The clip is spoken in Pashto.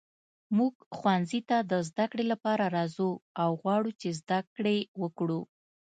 موږ ښوونځي ته د زده کړې لپاره راځو او غواړو چې زده کړې وکړو.